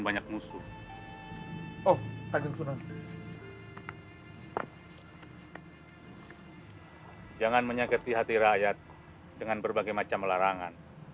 banyak musuh oh jangan menyakiti hati rakyat dengan berbagai macam larangan